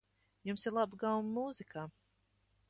Jums ir laba gaume mūzikā.